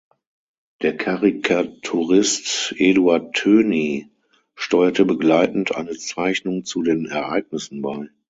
Der Karikaturist Eduard Thöny steuerte begleitend eine Zeichnung zu den Ereignissen bei.